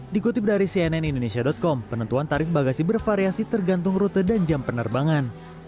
dikutip dari cnn indonesia com penentuan tarif bagasi bervariasi tergantung rute dan jam penerbangan